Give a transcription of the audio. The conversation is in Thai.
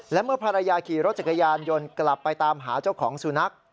และเมื่อภรรยาขี่รถจักรยานยนต์กลับไปตามหาเจ้าของสุนัข